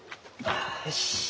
よし。